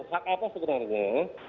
hak apa sebenarnya